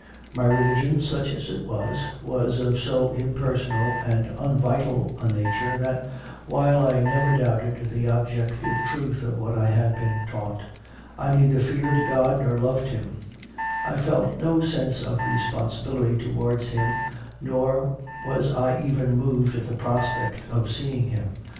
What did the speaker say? My religion, such as it was, was of so impersonal and unvital a nature that, while I never doubted the objective truth of what I had been taught, I neither feared God nor loved Him: I felt no sense of responsibility towards Him, nor was I even moved at the prospect, of seeing Him.